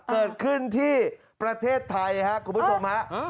เกิดขึ้นที่ประเทศไทยครับคุณผู้ชมฮะ